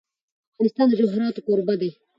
افغانستان د جواهرات کوربه دی.